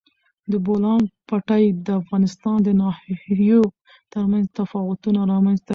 د بولان پټي د افغانستان د ناحیو ترمنځ تفاوتونه رامنځ ته کوي.